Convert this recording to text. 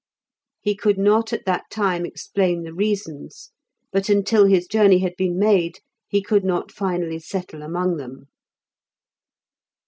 He could not at that time explain the reasons, but until his journey had been made he could not finally settle among them.